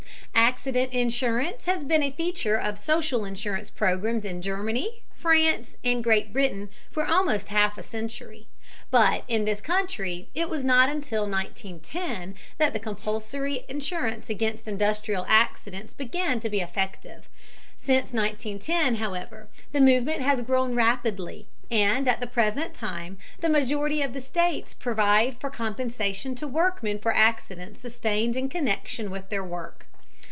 Accident insurance has been a feature of social insurance programs in Germany, France, and Great Britain for almost a half century, but in this country it was not until 1910 that compulsory insurance against industrial accidents began to be effective. Since 1910, however, the movement has grown rapidly, and at the present time the majority of the states provide for compensation to workmen for accidents sustained in connection with their work.